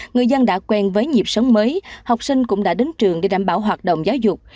người dân đã quen với nhịp sống mới học sinh cũng đã đến trường để đảm bảo hoạt động giáo dục